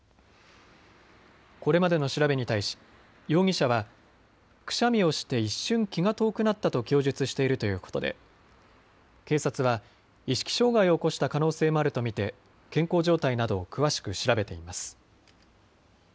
これまでの調べに対し容疑者はくしゃみをして一瞬、気が遠くなったと供述しているということで警察は意識障害を起こした可能性もあると見て健康状態などを詳しく調べています。